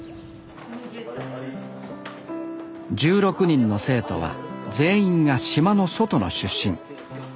１６人の生徒は全員が島の外の出身。